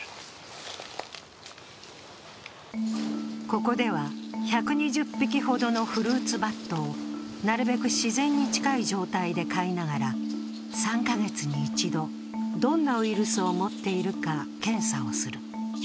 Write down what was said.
ここでは１２０匹ほどのフルーツバットをなるべく自然に近い状態で飼いながら３カ月に一度、どんなウイルスを持っているか検査をする。